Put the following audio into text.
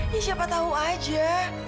ya siapa tahu aja